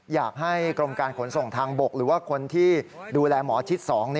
อยากให้กรมการขนส่งทางบกหรือว่าคนที่ดูแลหมอชิด๒